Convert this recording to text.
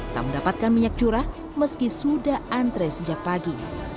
tak mendapatkan minyak curah meski sudah antre sejak pagi